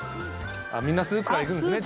みんなスープからいくんですね